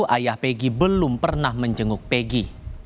ayah peggy belum pernah menjenguk pegi